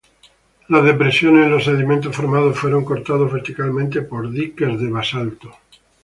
Las depresiones en los sedimentos formados fueron cortadas verticalmente por diques de basalto.